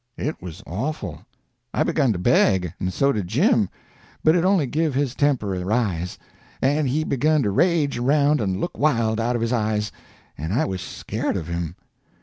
It was awful. I begun to beg, and so did Jim; but it only give his temper a rise, and he begun to rage around and look wild out of his eyes, and I was scared of him.